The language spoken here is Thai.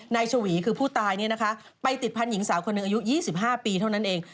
ชวีคือผู้ตายไปติดพันธหญิงสาวคนหนึ่งอายุ๒๕ปีเท่านั้นเอง